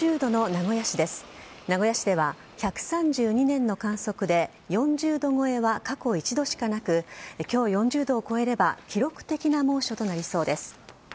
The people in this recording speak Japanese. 名古屋市では１３２年の観測で４０度超えは過去１度しかなく今日、４０度を超えれば記録的な猛暑となりそうです。